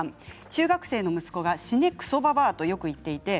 中学生の息子が死ね、くそばばあ！とよく言っています。